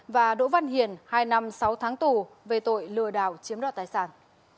và đỗ văn hiền hai năm sáu tháng tù về tội lừa đảo chiếm đoạt tài sản